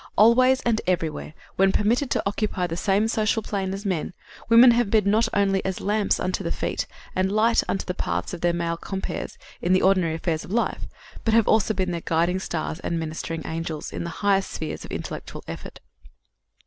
Always and everywhere, when permitted to occupy the same social plane as men, women have been not only as lamps unto the feet and as lights unto the paths of their male compeers in the ordinary affairs of life, but have also been their guiding stars and ministering angels in the highest spheres of intellectual effort.